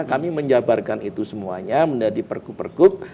kami menjabarkan itu semuanya menjadi perkuk perkuk